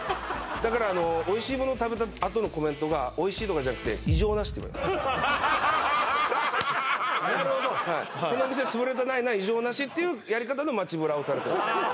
だからあのおいしいものを食べたあとのコメントがおいしいとかじゃなくてなるほどはいこのお店はつぶれてないな異常なしっていうやり方の街ブラをされてるああ